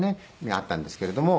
があったんですけれども。